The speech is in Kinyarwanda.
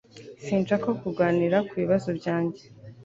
Sinshaka kuganira kubibazo byanjye.